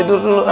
tidur dulu ya